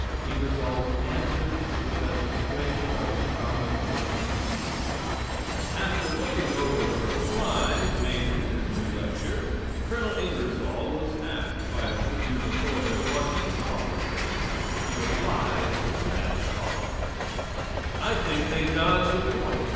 INGERSOLL'S ANSWER TO PROF. SWING, DR. THOMAS, AND OTHERS After looking over the replies made to his new lecture, Col. Ingersoll was asked by a Tribune reporter what he thought of them. He replied as follows: I think they dodge the point.